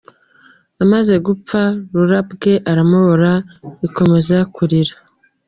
Amaze gupfa, Rurabwe iramubura, ikomeza kurira.